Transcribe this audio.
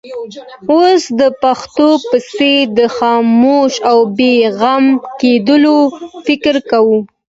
اوښ د پيشو په څېر د خاموش او بې غمه کېدو فکر کوي.